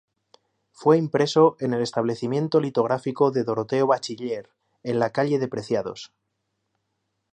Fue impreso en el establecimiento litográfico de Doroteo Bachiller, en la calle de Preciados.